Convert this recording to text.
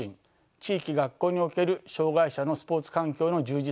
地域学校における障害者のスポーツ環境の充実を目指しています。